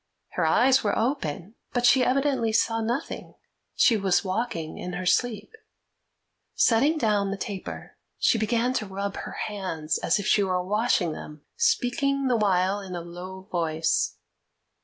Her eyes were open, but she evidently saw nothing; she was walking in her sleep. Setting down the taper, she began to rub her hands, as if she were washing them, speaking the while in a low voice.